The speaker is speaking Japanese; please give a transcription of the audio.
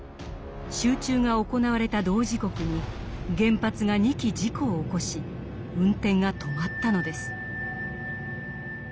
集中が行われた同時刻に原発が２基事故を起こし運転が止まったのです。